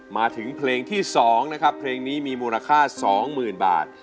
มาถึงเพลงที่๒นะครับเพลงนี้มีมูลค่า๒๐๐๐บาท